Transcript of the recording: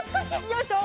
よいしょ！